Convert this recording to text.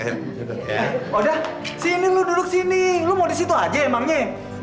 udah sini lu duduk sini lu mau di situ aja emangnya